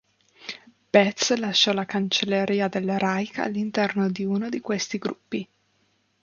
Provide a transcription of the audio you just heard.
Betz lasciò la Cancelleria del Reich all'interno di uno di questi gruppi.